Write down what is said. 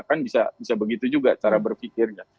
kan bisa begitu juga cara berpikirnya